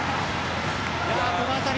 このあたり